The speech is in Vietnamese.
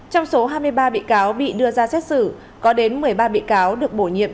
trong số hai mươi ba bị cáo bị đưa ra xét xử có đến một mươi ba bị cáo được bổ nhiệm